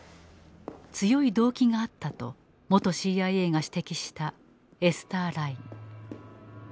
「強い動機があった」と元ＣＩＡが指摘したエスターライン。